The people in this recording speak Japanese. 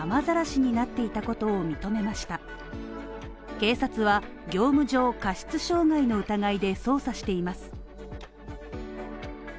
警察は業務上過失傷害の疑いで捜査しています。